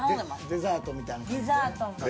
デザートみたいな感じで？